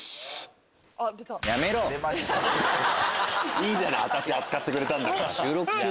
いいじゃない私扱ってくれたんだから。